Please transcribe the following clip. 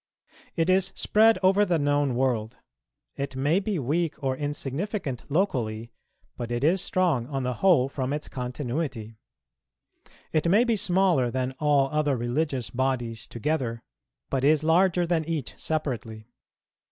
It is spread over the known world; it may be weak or insignificant locally, but it is strong on the whole from its continuity; it may be smaller than all other religious bodies together, but is larger than each separately.